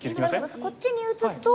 こっちに打つと。